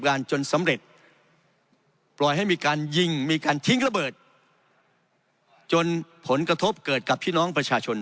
จนสำเร็จปล่อยให้มีการยิงมีการทิ้งระเบิดจนผลกระทบเกิดกับพี่น้องประชาชน